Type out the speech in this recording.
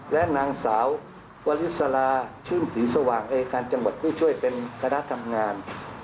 และนางสาววลิสลาชื่นศรีสว่างอายการจังหวัดผู้ช่วยเป็นคณะทำงาน